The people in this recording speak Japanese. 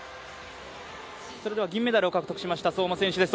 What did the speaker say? それでは銀メダルを獲得しました相馬選手です。